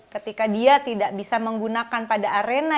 ketika dia tidak bisa menggunakan pada arena